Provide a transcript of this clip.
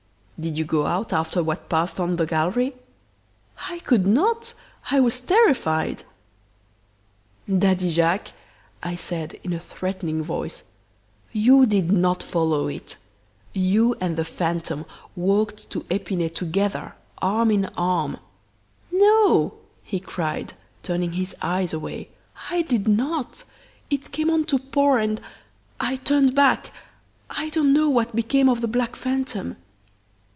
"'Did you go out after what passed on the gallery?' "'I could not! I was terrified.' "'Daddy Jacques,' I said, in a threatening voice, 'you did not follow it; you and the phantom walked to Epinay together arm in arm!' "'No!' he cried, turning his eyes away, 'I did not. It came on to pour, and I turned back. I don't know what became of the black phantom."